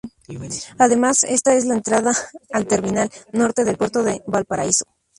Además está la entrada al Terminal Norte del puerto de Valparaíso.